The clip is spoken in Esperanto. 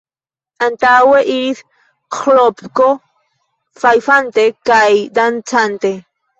Antaŭe iris Ĥlopko, fajfante kaj dancante.